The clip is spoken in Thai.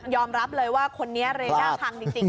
รับเลยว่าคนนี้เรด้าพังจริง